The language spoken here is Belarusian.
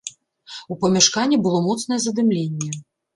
У памяшканні было моцнае задымленне.